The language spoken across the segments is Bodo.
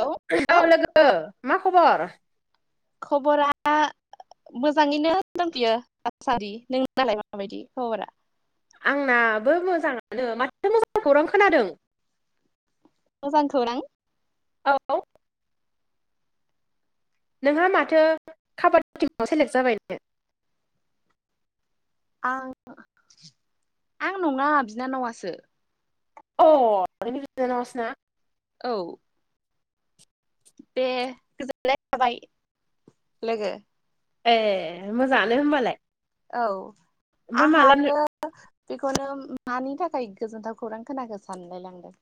औ औ लोगो मा खबर? खबरा [unintelligible] आंनाबो मोजांङानो माथो मोजां खौरां खोनादों मोजां खौरां औ नोंहा माथो काबादि टिमाव सेलेक्ट जाबायनो? आं-आं नंङा बिनानावासो अ नोंनि बिनानावा सोना? औ दे गोजोननाय थाबाय लोगो। ए मोजांङानो होमबालाय औ ओमफ्राय मालानो आंहासो बेखौनो मानि थाखाय गोजोनथाव खौरां खोनाखो सानलाय लांदों।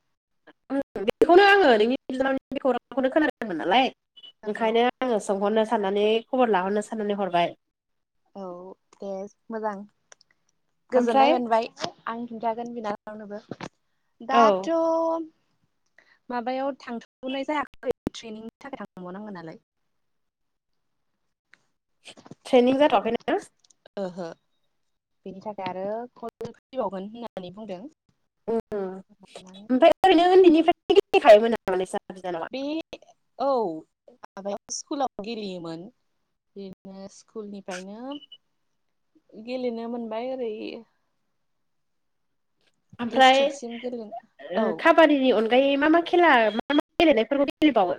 बेखौनो आङो नोंनि बिनानाव बे खौरांखौनो खोनादोंदोंमोन नालाय औ ओंखायनो [unintelligible] आंङो सोंहरनो साननानै खबर लाहरनो साननानै हरबाय। औ दे मोजां गोजोननाय ओमफ्राय मोनबाय। आं खिन्थागोन बिनानावनोबो औ दाथ' माबायाव थांथ'नाय जायाखै ट्रेनिंनि थाखाय थांबावनांगोन नालाय ट्रेनिं जाथ'आखै नो ओहो बेनि थाखाय आरो कल फैबावगोन होननानै बुंदों। उम ओमफ्राय ओरैनो उन्दैनिफ्राय गेलेखायोमोन नामा नोंसा बिनानावा? बे औ माबायाव स्कुलाव गेलेयोमोन। बिदिनो स्कुलनिफ्रायनो गेलेनो मोनबाय ओरै ओमफ्राय ओ डिस्ट्रिक्सिम गेले औ काब काबादिनि अनगायै मा मा खेला मा मा गेलेनायफोरखौ गेलेबावो?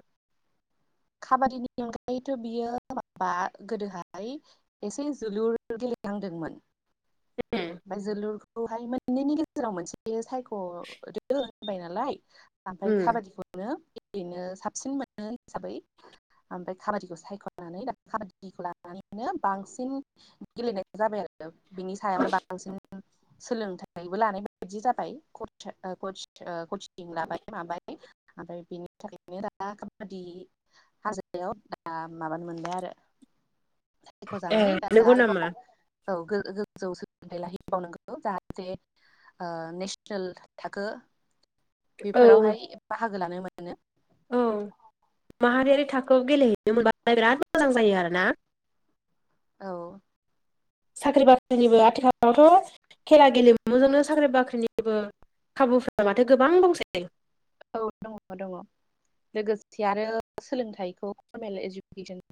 खाबादिनि अनगायैथ' बियो माबा गोदोहाय एसे जोलुर गेलेहांदोंमोन। ओमफ्राय जोलुरखौहाय मोननैनि गेजेराव मोनसे सायख'दो होनबाय नालाय ओमफ्राय उम खाबादिखौनो गेलेनो साबसिन मोनो हिसाबै ओमफ्राय काबादिखौ सायख'नानै दा खाबादिखौ लानानैनो बांसिन गेलेनाय जाबाय आरोना बिनि सायावनो बांसिन। सोलोंथाइबो लानाय बायदि जाबाय कता ओ कतिं कचिं लाबाय माबाय। ओमफ्राय बेनि थाखायनो दा काबादि हाजोआव दा माबानो मोनबाय आरो। सायख' ए जानानै दा नंगौ नामा आरोबाव औ गोजौ सोलोंथाइ लाहैबावनांगौ जाहाथे ओ नेसनेल थाखो औ बेफोरावहाय बाहागो लानो मोनो। औ माहारियारि थाखोआव गेलेहैनो मोनब्लाथाय बिराद मोजां जायो आरोना। औ साख्रि बाख्रिनिबो आथिखालावथ' खेला गेलेमुजोंनो साख्रि बाख्रिनिबो खाबुफोरा माथो गोबां दंसै। औ दङ दङ लोगोसे आरो सोलोंथाइखौ फरमेल इजुकेसन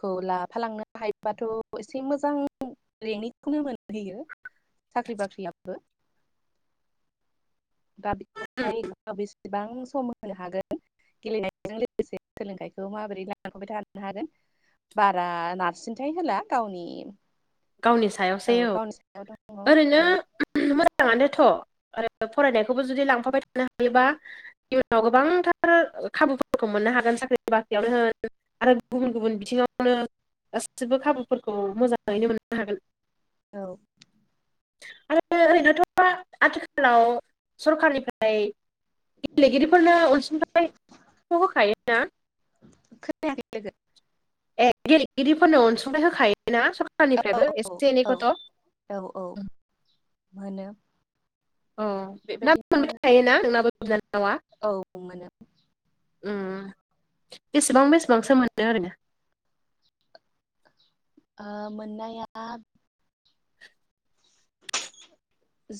खौ लाफालांनो हायोबाथ' एसे मोजां रेंनिखौनो मोनहैयो। साख्रि बाख्रियाबो दा उम [unintelligible] गोबां सम होनो हागोन गेलेनायजों लोगोसे सोलोंथाइखौ माबोरै लालांबाय थानो हागोन। बारा नारसिनथाय होला गावनि गावनि सायावसै औ। [unintelligible] ओरैनो औ मोजाङानोथ' आरो फरायनायखौबो जुदि लांफाबाय थानो हायोबा इउनाव गोबांथार खाबुफोरखौ मोननो हागोन साख्रिनि बाख्रियावनो होन आरो गुबुन गुबुन बिथिङावनो गासिबो खाबुफोरखौ मोजाङैनो मोननो हागोन। औ आरो ओरैनोथ' आथिखालाव सरकारनिफ्राय गेलेगिरिफोरनो अनसुंथाइखौ होखायोना। खोनायाखै लोगो ए गेलेगिरिफोरनो अनसुंथाइ होखायोना लोगो औ सरखारनिफ्रायबो एसे औ औ एनैखौथ'। औ औ मोनो। औ नोंनाबो बेबायदिनो मोनबाय थायोना नोंनाबो बिनानावा? औ मोनो। उम बेसेबां बेसेबांसो मोनो आरैनो? ओ मोननाया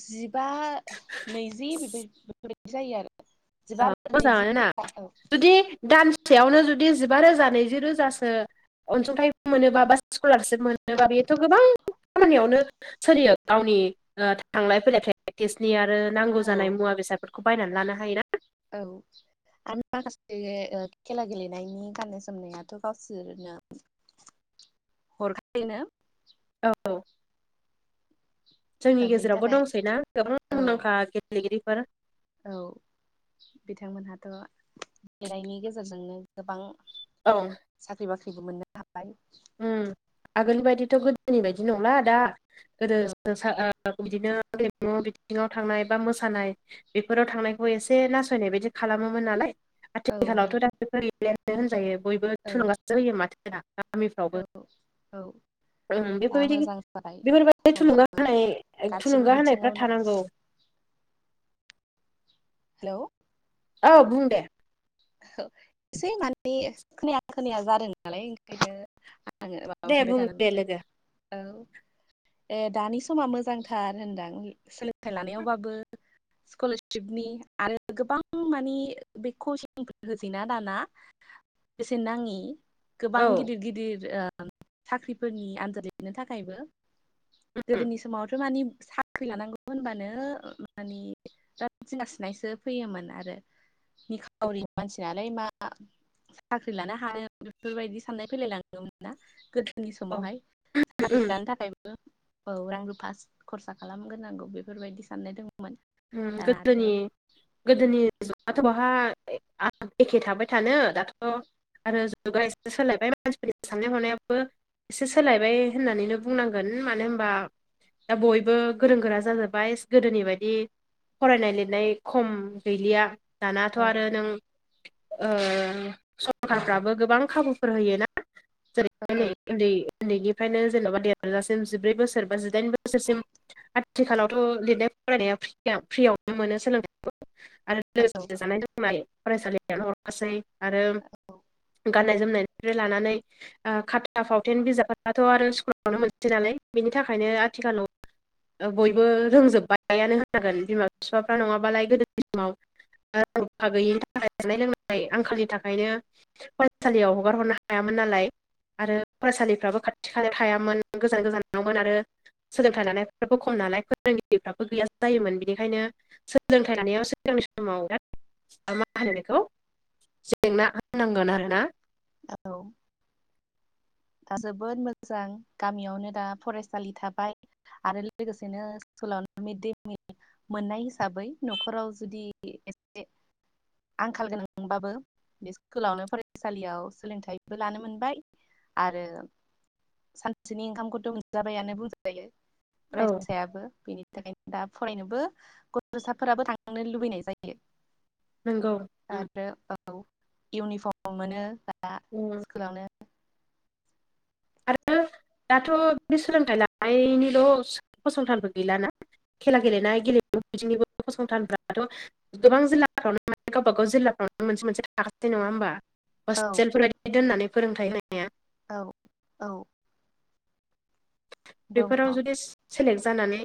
जिबा नैजि बेफोर-बेफोरबायदि जायो आरो। ओ जिबा नैजि मोजाङानो ना औ जुदि दान सेयावनो जुदि जिबा रोजा नैजिरोजासो अनसुंथाइ मोनोबा बा स्कुलारसिप मोनोबा बेथ' गोबां खामानियावनो सोलियो गावनि ओ थांलाय फैलाय प्रेक्टिसनि आरो नांगौ जानाय मुवा बेसादफोरखौ बायनानै लानो हायोना। औ आरो माखासे खेला गेलेनायनि गान्नाय जोमनायाथ' गावसोरनो [inaudible] हरखायोनो औ औ दा जोंनि बेनि गेजेरावबो थाखाय दंसैना गोबां औ मुंदांखा गेले गेलेगिरिफोर औ बिथांमोनहाथ' गेलनायनि गेजेरजोंनो गोबां औ साख्रि बाख्रिबो मोनो हाबाय ओम आगोलनि बायदिथ' गोदोनि बायदि नंला दा गोदो [unintelligible] बिदिनो गेलेमु बिथिङाव थांनाय बा मोसानाय बेफोराव थांनायखौ एसे नासयनाय बायदि खालामोमोन नालाय औ नों आथिखालावथ' दा बेफोर गैलायानो होनजायो बयबो थुलुंगासो होयो माथो दा गामिफ्रावबो औ औ ओं दा बेफोरबायदि मोजां जाबाय बेफोरबायदि थुलुंगा समाबो होनाय गासिबो थुलुंगा होनायफ्रा बिथिङावनो थानांगौ हेलौ औ बुं दे औ एसे माने खोनाया खोनाया जादों नालाय ओंखायनो दे माबाफिनबाय बुं दे थानांदो लोगो औ ए दानि समा मोजांथार होनदां सोलोंथाइ लानायावबाबो स्कलारशिपनि आरो गोबां मानि बे [unintelligible] [inaudible] होजैना दाना बेसेन नाङि गोबां औ गिदिर गिदिर साख्रिफोरनि आनजाद लिरनो थाखायबो उम गोदोनि समावथ' मानि साख्रि लानांगौ होनबानो मानि जिंगा सिनायसो फैयोमोन आरो निखावरि मानसि नालाय मा साख्रि लानो हानो बेफोरबायदि साननाय फैलाय लाङोमोन ना नि समावहाय साख्रि उम लानो थाखाय औ रां रुफा खरसा खालामग्रोनांगौ बेफोरबायदि साननाय दंमोन। दाना आरो गोदोनि गोदोनि जुगाथ' बहा एखे थाबाय थानो दाथ' आरो जुगा एसे सोलायबाय मानसिफोरनि साननाय हनायाबो एसे सोलायबाय होननानैनो बुंनांगोन मानो होमबा दा बयबो गोरों गोरा जाजोब्बाय गोदोनि बायदि फरायनाय लिरनाय खम गैलिया दानाथ' औ आरो नों ओ सरखारफ्राबो गोबां खाबुफोर होयोना जेरैहाय औ नै उन्दै उन्दैनिफ्रायनो जेन'बा देरजासिम जिब्रै बोसोर बा जिदाइन बोसोरसिम आथिखालावथ' लिरनाय फरायनाया फ्रि फ्रियावनो मोनो सोलोंथाइखौ आरो औ लोगोसे जानाय लोंनाय फरायसालियानो हरखासै आरो गाननाय जोमनायनिफ्राय लानानै खाथा फावथेन बिजाबफोराथ' आरो स्कुलावनो मोनसै नालाय बेनि थाखायनो आथिखालाव बयबो रोंजोब्बायानो होनागोन बिमा-बिफाफ्रा नङाबालाय गोदोनि समाव रां-रुफा गैयिनि थाखाय जानाय लोंनाय आंखालनि थाखायनो फरायसालियाव हगार हरनो हायामोन नालाय आरो फरायसालिफ्राबो खाथि-खालायाव थायामोन गोजान-गोजान नावमोन आरो सोलोंथाइ लानायफ्राबो खम नालाय फोरोंगिरिफ्राबो गैया जायोमोन बिनिखायनो सोलोंथाइ लानायाव सिगांनि समाव बिराद मा होनो जेंना होनांगोन आरो ना। औ दा जोबोद मोजां गामियावनो दा फरायसालि थाबाय आरो लोगोसेनो स्कुलावनो मिड दे मिल मोननाय हिसाबै न'खराव जुदि एसे आंखाल गोनांबाबो बे स्कुलावनो लानो मोनबाय आरो सानसेनि ओंखामखौथ' मोनजाबायानो बुंज जायो। औ फरायसायाबो बेनि थाखायनो। दा फरायनोबो गथ'साफोराबो थांनो लुबैनाय जायो। नोंगौ [unintelligible] उम कुलावनो। आरो दाथ' बिदि सोलोंथाइ लानायनिल' फसंथानबो गैलाना। खेला गेलेनाय गेलेमु बिदिनिबो फसंथानफ्राथ' गोबां जिल्लाफ्रावनो माने गावबा गाव जिल्लाफ्रावनो मोनसे मोनसे थाखासै नङा होमबा? औ हस्टेलफोर बादि दोननानै फोरोंथायाइ होनाया। औ औ दं बेफोराव जुदि सेलेक्ट जानानै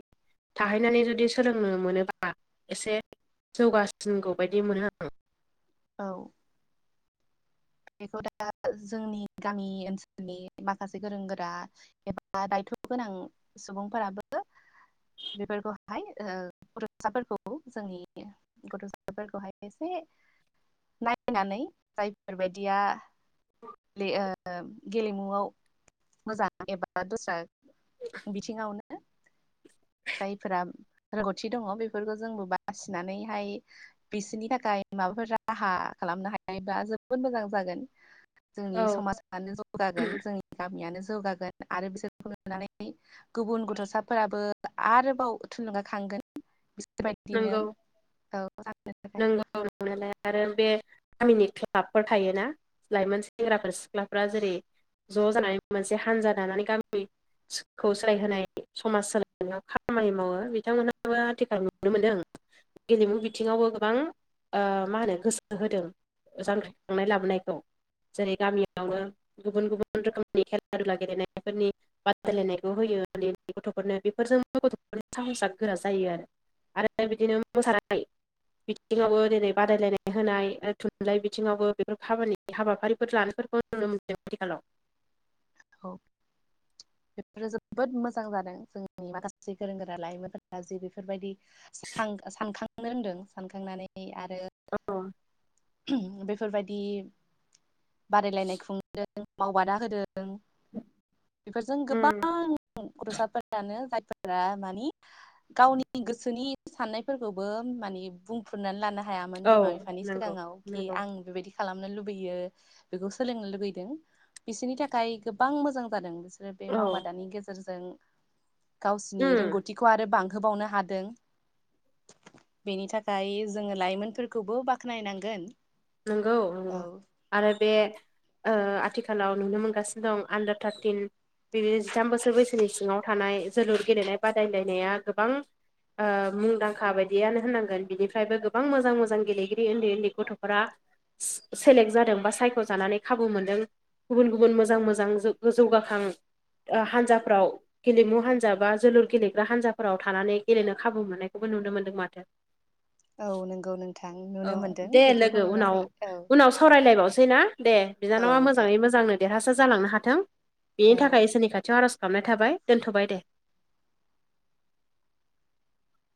थाहैनानै जुदि सोलोंनो मोनोब्ला एसे जौगासिनगौ बायदि मोनो आं। औ बेखौ दा जोंनि गामि ओनसोलनि माखासे गोरों गोरा एबा दायथ' गोनां सुबुंफोराबो बेफोरखौहाय ओ फ'रायसाफोरखौ जोंनि गथ'फोरखौहाय एसे नायनानै जाय फोरबायदिया बे ओ गेलेमुआव मोजां एबा दस्रा बिथिङावनो जायफोरा रोंगौथि दङ बेफोरखौ जोंबो बासिनानैहाय बिसोरनि थाखाय माबाफोर राहा खालामनो हायोबा जों जोबोद मोजां जागोन जोंनि औ समाजानो जौगागोन जोंनि गामियानो जौगागोन आरो बिसोरखौ नुनानै गुबुन गथ'साफोराबो आरोबाव थुलुंगाखांगोन बिसोरबायदिनो नंगौ [unintelligible] मावलांनायालाय आरो बे गामिनि क्लाबफोर थायोना लाइमोन सेंग्राफोर सिख्लाफोरा जेरै ज' जानानै मोनसे हानजा दानानै गामि खौ सोलायहोनाय समाज सोलायनायाव खामानि मावो बिथांमोनहाबो आथिखाल नुनो मोनदों गेलेमु बिथिङावबो गोबां ओ मा होनो गोसो होदों। जांख्रिखांनाय लाबोनायखौ जेरै गामियावनो गुबुन गुबुन रोखोमनि खेला दुला गेलेनायफोरनि बादायलायनायखौ होयो उन्दै उन्दै गथ'फोरनो बेफोरजोंबो गथ'फोरनि साहसआ गोरा जायो आरो। आरो बिदिनो मोसानाय बिथिङावबो जेरै बादायलायनाय होनाय थुनलाइ बिथिङावबो बेफोर खामानि हाबाफारिफोर लानायफोरखौ नुनो मोनदों आथिखालाव। औ बेफोरो जोबोद मोजां जादों जोंनि माखासे गोरों गोरा लाइमोनफोरा जि बेफोरबायदि सानखां सानखांनो रोंदों सानखांनानै आरो औ बेफोरबायदि बादायलायनाय खुंदों मावबादा होदों बेफोरजों उम गोबां गथ'साफोर मानो जायफोरा मानि गावनि गोसोनि साननायफोरखौबो माने बुं बुंफ्रुनानै लानो हायामोन औ बिमा बिफानि नंगौ सिगाङाव कि नंगौ आं बेबायदि खालामनो लुबैयो बेखौ सोलोंनो लुबैदों बिसोरनि थाखाय गोबां मोजां जादों बिसोर बिसोरो बे औ मावबादानि गेजेरजों गावसिनि उम रोंगौथिखौ आरो बांहोबावनो हादों बेनि थाखाय जोङो लाइमोनफोरखौबो बाख्नायनांगोन नोंगौ औ आरो बे ओ आथिखालाव नुनो मोनगासिनो दं आण्डार थार्टिन बे जिथाम बोसोर बैसोनि सिङाव थानाय जोलुर गेलेनाय बादायलायनाया गोबां ओ मुंदांखा बायदियानो होनांगोन बिनिफ्रायबो गोबां मोजां मोजां गेलेगिरि उन्दै उन्दै गथ' फोरा से सेलेक जादों बा सायख'जानानै खाबु मोनदों। गुबुन गुबुन मोजां मोजां जौ जौगाखां ओ हान्जाफ्राव गेलेमु हान्जा बा जोलुर गेलेग्रा हान्जाफोराव थानानै गेलेनो खाबु मोननायखौबो नुनो मोन्दों माथो। [unintelligible] औ नोंगौ नोंथां नुनो मोनदों दे बेफोर लोगो उनाव उनाव सावरायलायबावसै ना दे औ बिनानावा दे मोजाङै मोजांनो देरहासार जालांनो हाथों बेनि औ थाखाय इसोरनि खाथियाव आर'ज खालामाबनाय थाबाय दोनथ'बाय दे।